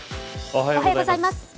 おはようございます。